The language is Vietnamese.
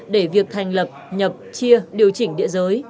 để việc thành lập nhập chia điều chỉnh địa giới